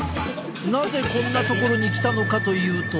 なぜこんな所に来たのかというと。